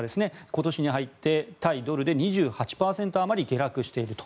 今年に入って対ドルで２８％あまり下落していると。